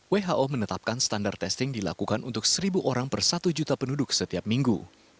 who menetapkan standar testing dilakukan untuk seribu orang per satu juta penduduk setiap minggu